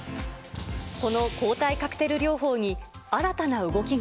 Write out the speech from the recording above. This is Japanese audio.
この抗体カクテル療法に新たな動きが。